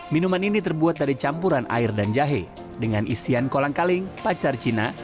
minuman ini terbuat dari campuran air dan jahe dengan isian kolang kaling pacar cina